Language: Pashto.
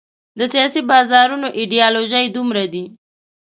د سیاسي بازارونو ایډیالوژۍ دومره دي.